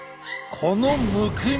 このむくみ。